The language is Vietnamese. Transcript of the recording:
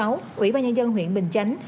ubnd huyện bình chánh